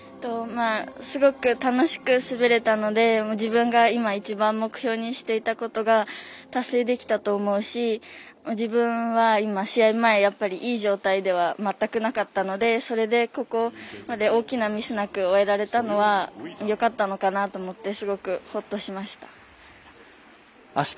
すごく楽しく滑れたので自分が今一番目標にしていたことが達成できたと思うし自分は今、試合前いい状態では全くなかったのでそれでここまで大きなミスなく終えられたのはよかったのかなと思ってすごくほっとしました。